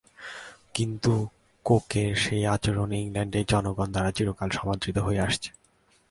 কিন্তু কোকের সেই আচরণ ইংল্যান্ডের জনগণের দ্বারা চিরকাল সমাদৃত হয়ে আসছে।